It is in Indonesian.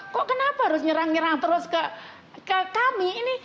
kok kenapa harus nyerang nyerang terus ke kami ini